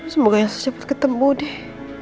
semoga cepat ketemu deh